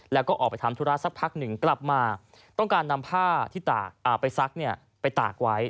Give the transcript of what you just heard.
แล้วก็ออกไปทำธุระสักพักหนึ่งกลับมาต้องการนำผ้าที่ไปซักไปตากไว้